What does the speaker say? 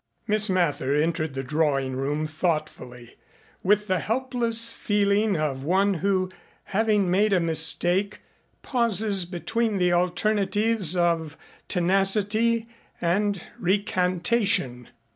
Miss Mather entered the drawing room thoughtfully with the helpless feeling of one who, having made a mistake, pauses between the alternatives of tenacity and recantation.